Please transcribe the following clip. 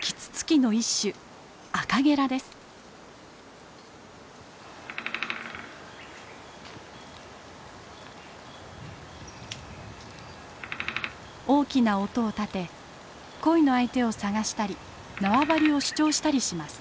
キツツキの一種大きな音を立て恋の相手を探したり縄張りを主張したりします。